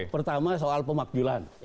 pertama soal pemakjulan